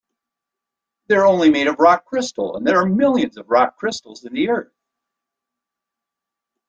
They're only made of rock crystal, and there are millions of rock crystals in the earth.